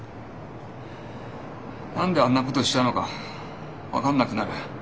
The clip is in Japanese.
何であんなことしたのか分かんなくなる。